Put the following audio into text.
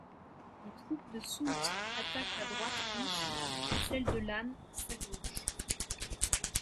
Les troupes de Soult attaquent la droite russe, celles de Lannes sa gauche.